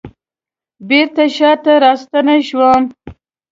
بیرته شاته راستنه شوم